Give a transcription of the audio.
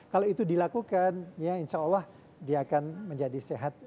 kalau itu dilakukan ya insya allah dia akan menjadi sehat